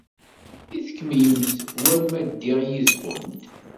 I tkemmlemt war ma ddiɣ yid-went?